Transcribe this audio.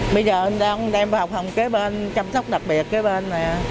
bây giờ ông đem vào học hồng kế bên chăm sóc đặc biệt kế bên